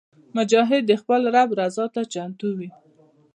مجاهد د خپل رب رضا ته چمتو وي.